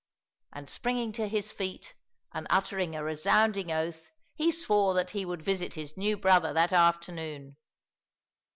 And springing to his feet and uttering a resounding oath, he swore that he would visit his new brother that afternoon.